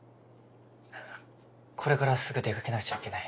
これからすぐ出かけなくちゃいけない。